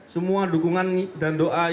semua dukungan dan doa yang disampaikan